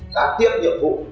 giá tiết nhiệm vụ